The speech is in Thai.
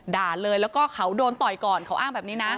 ด่าเลยแล้วก็เขาโดนต่อยก่อนเขาอ้างแบบนี้นะ